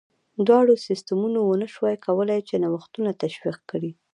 دواړو سیستمونو ونه شوای کولای چې نوښتونه تشویق کړي.